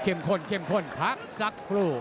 เข้มข้นเข้มข้นพัก